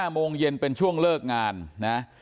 โมงเย็นเป็นช่วงเลิกงานนะ